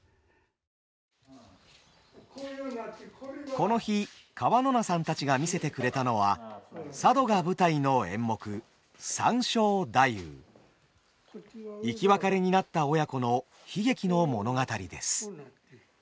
この日川野名さんたちが見せてくれたのは生き別れになった親子の悲劇の物語です。